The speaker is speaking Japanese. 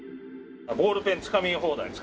ボールペンつかみ放題。